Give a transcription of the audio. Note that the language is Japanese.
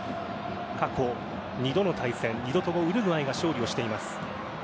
過去二度の対戦２度ともウルグアイが勝利をしています。